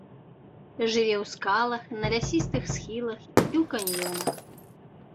Жыве ў скалах, на лясістых схілах і ў каньёнах.